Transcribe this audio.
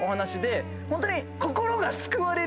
ホントに。